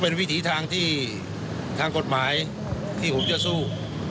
เป็นวิถีทางที่ทางกฎหมายที่ผมจะสู้